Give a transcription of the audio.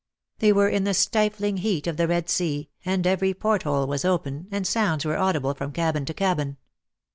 They were in the stifling heat of the Red Sea, and every port hole was open, and sounds were audible from cabin to cabin.